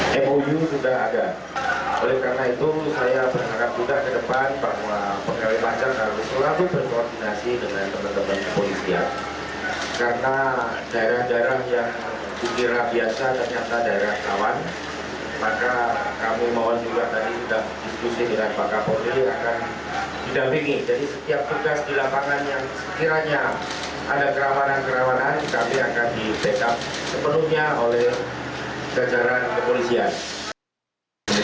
kami akan di backup sepenuhnya oleh jajaran kepolisian